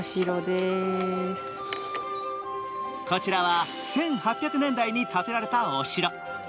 こちらは１８００年代に建てられたお城。